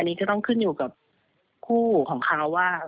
อันนี้ก็ต้องขึ้นอยู่กับคู่ของเขาว่า